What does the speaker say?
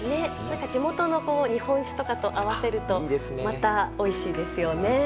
地元の日本酒とかと合わせるとまた、おいしいですよね。